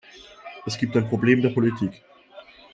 Es gibt ein Problem der Politik.